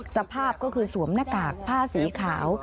สภาพก็คือสวมหน้ากากผ้าสีขาว